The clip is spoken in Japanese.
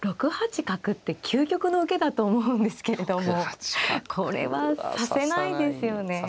６八角って究極の受けだと思うんですけれどもこれは指せないですよね。